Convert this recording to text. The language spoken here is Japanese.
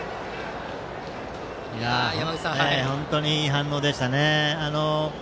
本当にいい反応でした。